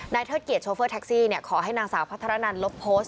เทิดเกียจโชเฟอร์แท็กซี่ขอให้นางสาวพัทรนันลบโพสต์